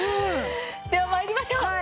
では参りましょう。